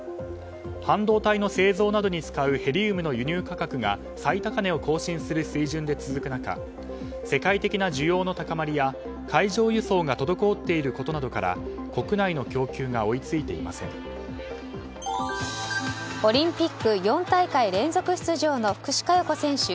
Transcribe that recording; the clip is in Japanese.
半導体の製造などに使うヘリウムの輸入価格高騰が最高値を更新する水準で続く中世界的な需要の高まりや海上輸送が滞っていることなどからオリンピック４大会連続出場の福士加代子選手。